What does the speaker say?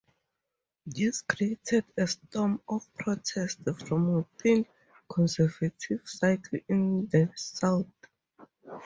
This created a storm of protest from within conservative circles in the South.